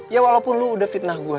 ya walaupun lu udah fitnah gue